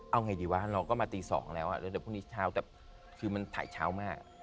เอาไงดีวะเราก็มาตี๒แล้วแล้วเดี๋ยวพรุ่งนี้เช้าแต่คือมันถ่ายเช้ามาก